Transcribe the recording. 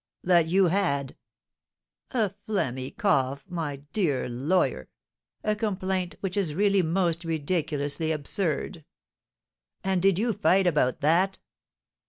"That you had " "A phlegmy cough, my dear lawyer; a complaint which is really most ridiculously absurd!" "And did you fight about that?"